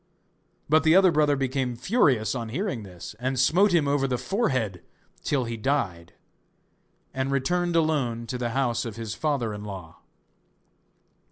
But the other brother became furious on hearing this, and smote him over the forehead till he died, and returned alone to the house of his father in law.